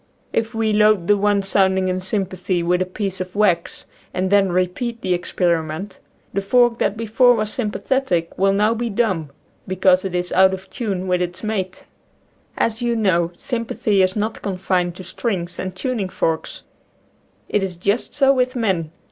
If we load the one sounding in sympathy, with a piece of wax, and then repeat the experiment, the fork that before was sympathetic will now be dumb, because it is out of tune with its mate. As you know, sympathy is not confined to strings and tuning forks. It is just so with men.